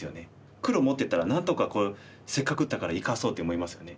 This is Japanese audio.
黒持ってたらなんとかせっかく打ったから生かそうと思いますよね。